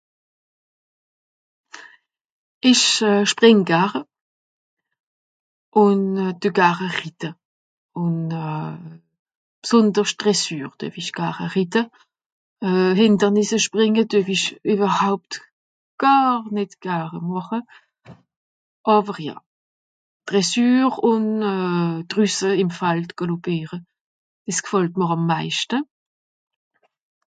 Ìch euh... sprìng gare, ùn euh... due gare ritte. Ùn euh... bsonderscht dressure düe-w-i gare ritte euh... Hìndernìsse Sprìnge düe-w-i ìwwerhaupt gàr nìt gare màche. Àwer ja, dressure ùn euh... drüsse ìm Fald gàlopìere, dìs gfàllt mr àm meischte.